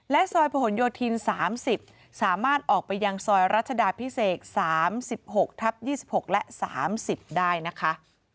และซอยพย๓๐สามารถออกไปยังซอยรพ๓๖ทับ๒๖และ๓๐ได้นะคะ